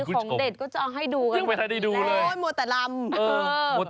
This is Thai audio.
ก็จะเอาให้ดูกัน